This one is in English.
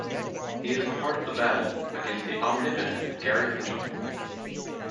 He is part of the battle against the omnipotent Gary Mitchell.